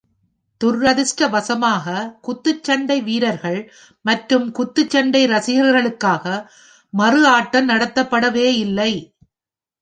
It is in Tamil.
துரதிருஷ்டவசமாக குத்துச் சண்டை வீரர்கள் மற்றும் குத்துச் சண்டை ரசிகர்களுக்காக மறு ஆட்டம் நடத்தப்படவேயில்லை.